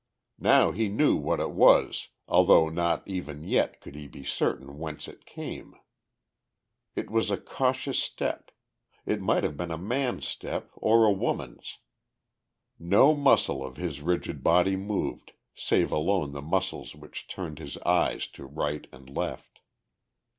Now he knew what it was although not even yet could he be certain whence it came. It was a cautious step ... it might have been a man's step or a woman's. No muscle of his rigid body moved save alone the muscles which turned his eyes to right and left.